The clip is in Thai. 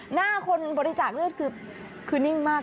หน้าคนบริจาคเลือดคือนิ่งมาก